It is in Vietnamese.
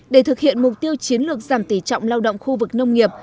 để thực hiện mục tiêu chiến lược giảm tỷ trọng lao động khu vực nông nghiệp